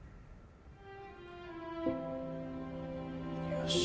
よし。